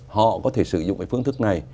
họ có thể sử dụng cái phương thức này